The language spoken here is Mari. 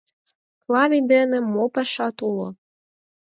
Клавий дене мо пашат уло?..